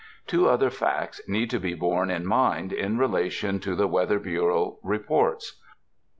Two other facts need to be borne in mind in relation to the Weather Bureau reports: 1.